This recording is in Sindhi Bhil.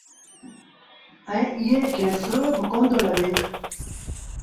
ايئي کي سرو با ڪوندو لڳي۔